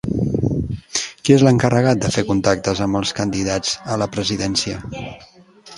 Qui és l'encarregat de fer contactes amb els candidats a la presidència?